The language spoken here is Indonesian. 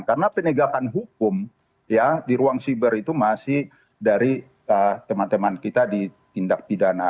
karena penegakan hukum ya di ruang siber itu masih dari teman teman kita di tindak pidana